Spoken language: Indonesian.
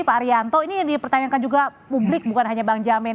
pak arianto ini yang dipertanyakan juga publik bukan hanya bang jamin